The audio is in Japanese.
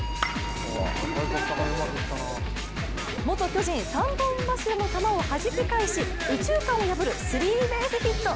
元巨人３本柱の球をはじき返し、右中間を破るスリーベースヒット。